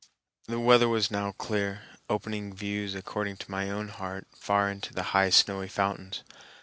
The weather was now clear, opening views according to my own heart far into the high snowy fountains.